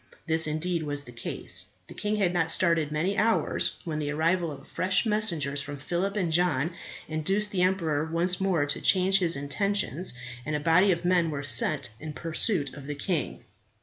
This indeed was the case. The king had not started many hours, when the arrival of fresh messengers from Phillip and John induced the emperor once more to change his intentions, and a body of men were sent in pursuit of the king.